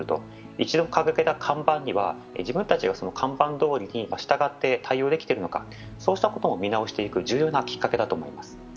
一度掲げた看板には、自分たちが看板どおりに従って対応できているのか、そうしたものも見直していく重要なきっかけだと思います。